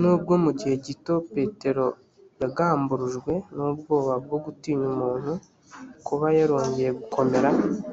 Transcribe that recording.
n ubwo mu gihe gito petero yagamburujwe n ubwoba bwo gutinya umuntu kuba yarongeye gukomera